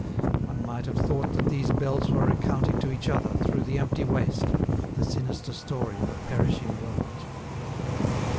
One might have thought that these bells were recounting to each other, through the empty waste, the sinister story of a perishing world.